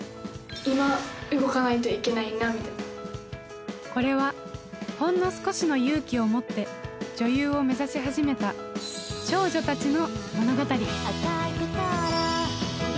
今、動かないといけないなみたいなこれは、ほんの少し勇気を持って女優を目指し始めた少女たちの物語。